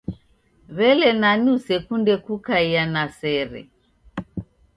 W'ele nani usekunde kukaia kwa sere?